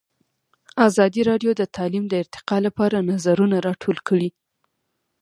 ازادي راډیو د تعلیم د ارتقا لپاره نظرونه راټول کړي.